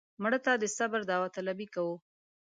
مړه ته د صبر داوطلبي کوو